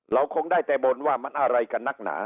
เราคงได้แต่บ่นว่ามันอะไรกันนักหนา